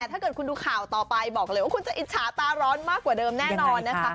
ถ้าเกิดคุณดูข่าวต่อไปบอกเลยว่าคุณจะอิจฉาตาร้อนมากกว่าเดิมแน่นอนนะคะ